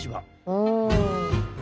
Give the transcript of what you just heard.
うん。